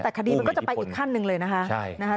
แต่คดีมันก็จะไปอีกขั้นหนึ่งเลยนะคะ